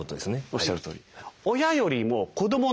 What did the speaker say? おっしゃるとおり。